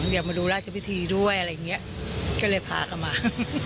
อยากมาดูรัชวภิธีด้วยอะไรงี้ก็เลยพากลับมา